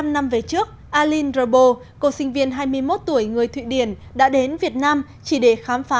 bảy mươi năm năm về trước alin robo cô sinh viên hai mươi một tuổi người thụy điển đã đến việt nam chỉ để khám phá